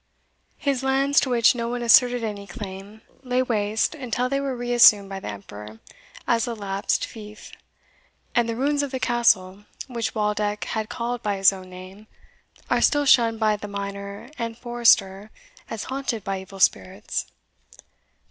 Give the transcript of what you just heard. His lands, to which no one asserted any claim, lay waste until they were reassumed by the emperor as a lapsed fief, and the ruins of the castle, which Waldeck had called by his own name, are still shunned by the miner and forester as haunted by evil spirits.